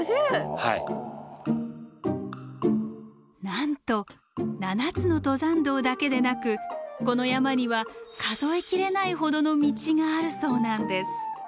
なんと７つの登山道だけでなくこの山には数え切れないほどの道があるそうなんです。